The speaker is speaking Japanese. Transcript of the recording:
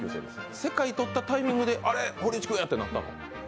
世界とったタイミングであれ、堀内君や！ってなったの？